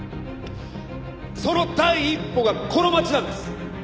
「その第一歩がこの街なんです」